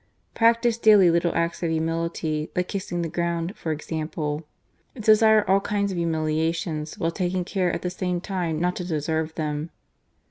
Practise daily little acts of humility, like kissing the ground, for example. Desire all kinds of humiliations, while taking care at the same time not to deserve them.